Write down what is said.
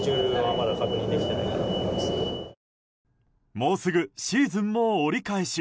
もうすぐシーズンも折り返し。